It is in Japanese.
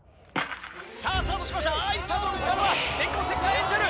スタートしましたいいスタートを見せたのは電光石火エンジェル。